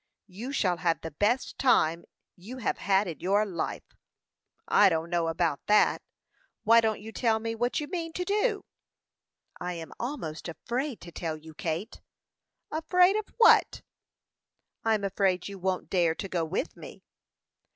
"You shall have the best time you have had in your life." "I don't know about that. Why don't you tell me what you mean to do?" "I am almost afraid to tell you, Kate." "Afraid of what?" "I'm afraid you won't dare to go with me."